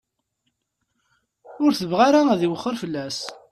Ur tebɣi ara ad iwexxer fell-as.